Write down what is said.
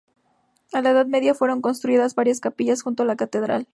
En la Edad Media fueron construidas varias capillas junto a la catedral.